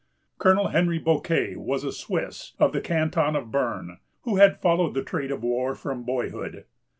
Colonel Henry Bouquet was a Swiss, of the Canton of Berne, who had followed the trade of war from boyhood.